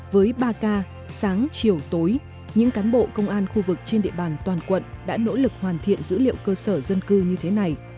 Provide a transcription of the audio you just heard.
với ba k sáng chiều tối những cán bộ công an khu vực trên địa bàn toàn quận đã nỗ lực hoàn thiện dữ liệu cơ sở dân cư như thế này